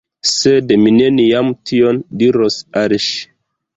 Sed mi neniam tion diros al ŝi.